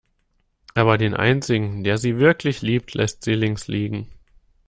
Aber den einzigen, der sie wirklich liebt, lässt sie links liegen.